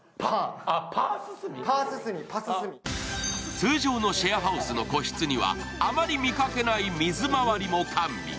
通常のシェアハウスの個室には、あまり見かけない水回りも完備。